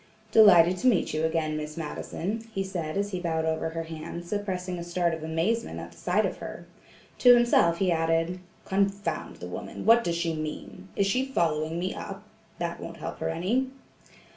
"Delighted to meet you again, Miss Madison," he said as he bowed over her hand, suppressing a start of amazement at the sight of her. To himself he added: "Confound the woman; what does she mean? Is she following me up? That won't help her any."